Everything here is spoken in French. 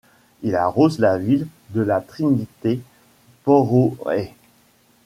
Il arrose la ville de La Trinité-Porhoët.